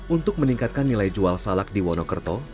untuk meningkatkan nilai jual salak di wonokerto